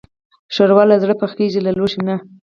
ښوروا له زړه پخېږي، له لوښي نه.